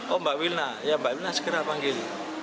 oh mbak wilna ya mbak wilna segera panggil